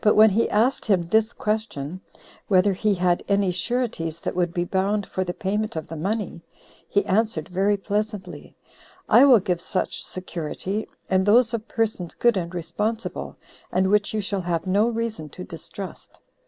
But when he asked him this question, Whether he had any sureties that would be bound for the payment of the money? he answered very pleasantly, "I will give such security, and those of persons good and responsible, and which you shall have no reason to distrust."